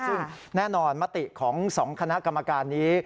ซึ่งแน่นอนมติของ๒คณะกรรมการนี้